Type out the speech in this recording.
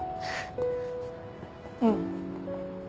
うん。